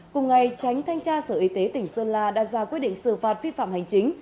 cùng ngày tránh thanh tra sở y tế tỉnh sơn la đã ra quyết định xử phạt vi phạm hành chính